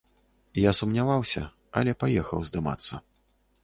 Я сумняваўся, але паехаў здымацца.